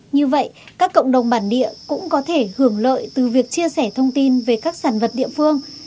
như vậy các cộng đồng bản địa cũng có thể hưởng lợi từ việc chia sẻ thông tin về các sản vật địa phương